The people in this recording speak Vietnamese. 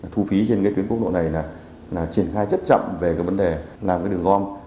thu phí trên các tuyến quốc lộ này là triển khai rất chậm về vấn đề làm đường gom